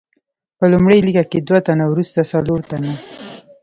په لومړۍ لیکه کې دوه تنه، وروسته څلور تنه.